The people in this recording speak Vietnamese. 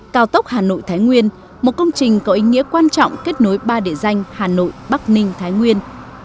cao tốc hà nội thái nguyên một công trình có ý nghĩa quan trọng kết nối ba địa danh hà nội bắc ninh thái nguyên